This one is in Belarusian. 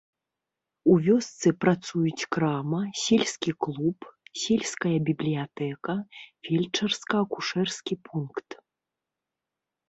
У вёсцы працуюць крама, сельскі клуб, сельская бібліятэка, фельчарска-акушэрскі пункт.